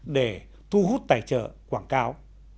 để thu hút tài trợ quảng cáo